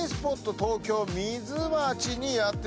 東京ミズマチにやってまいりました。